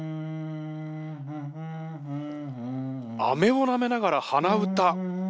アメをなめながら鼻歌。